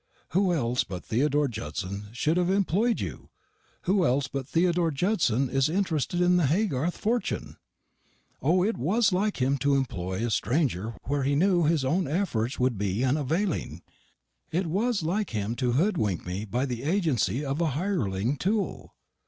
"Who else but Theodore Judson should have employed you? Who else but Theodore Judson is interested in the Haygarth fortune? O, it was like him to employ a stranger where he knew his own efforts would be unavailing; it was like him to hoodwink me by the agency of a hireling tool."